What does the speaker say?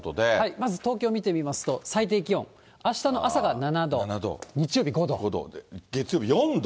まず東京見てみますと、最低気温、あしたの朝が７度、日曜日月曜日４度。